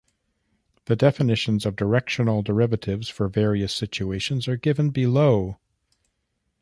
The definitions of directional derivatives for various situations are given below.